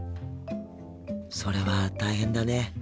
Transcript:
それは大変だね。